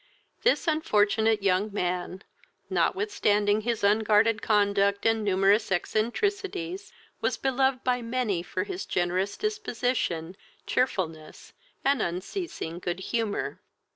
This unfortunate young man, notwithstanding his unguarded conduct and numerous eccentricities, was beloved by many for his generous disposition, cheerfulness, and unceasing good humour.